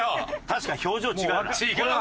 確かに表情違うな。